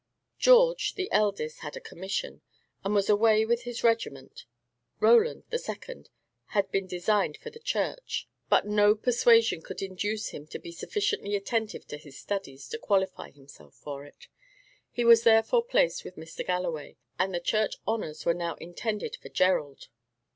George, the eldest, had a commission, and was away with his regiment. Roland, the second, had been designed for the Church, but no persuasion could induce him to be sufficiently attentive to his studies to qualify himself for it; he was therefore placed with Mr. Galloway, and the Church honours were now intended for Gerald.